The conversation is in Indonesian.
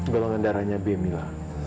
golongan darahnya b mila